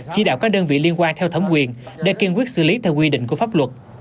chỉ đạo các đơn vị liên quan theo thẩm quyền để kiên quyết xử lý theo quy định của pháp luật